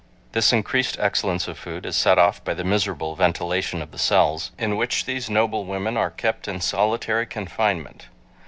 This increased excellence of food is set off by the miserable ventilation of the cells, in which these noble women are kept in solitary confinement.